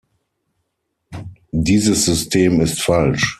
Dieses System ist falsch.